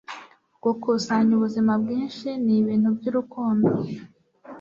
gukusanya ubuzima bwinshi nibintu byurukundo